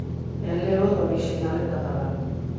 E leo do orixinal en catalán.